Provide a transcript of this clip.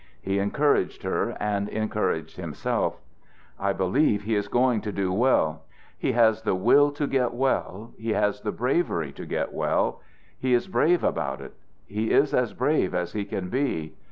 He encouraged her and encouraged himself: "I believe he is going to get well. He has the will to get well, he has the bravery to get well. He is brave about it; he is as brave as he can be."